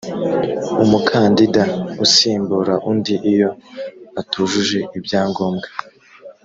umukandida usimbura undi iyo atujuje ibyangombwa